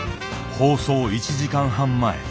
放送１時間半前。